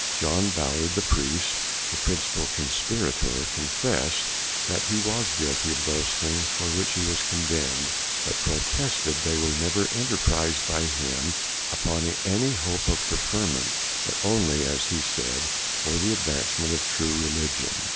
John Ballard, the Priest, the principal Conspirator, confess'd, that he was guilty of those things for which he was condemned, but protested they were never enterprised by him upon any hope of preferment, but only, as he said, for the advancement of true Religion.